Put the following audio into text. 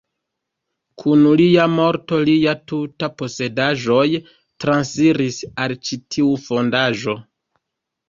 Kun lia morto lia tuta posedaĵoj transiris al ĉi tiu fondaĵo.